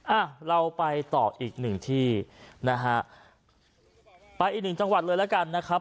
อ่ะเราไปต่ออีกหนึ่งที่นะฮะไปอีกหนึ่งจังหวัดเลยแล้วกันนะครับ